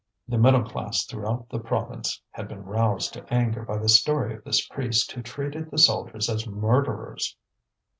The middle class throughout the province had been roused to anger by the story of this priest who treated the soldiers as murderers.